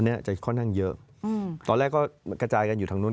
เนี้ยจะค่อนข้างเยอะอืมตอนแรกก็กระจายกันอยู่ทางนู้น